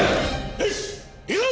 よし行くぞ！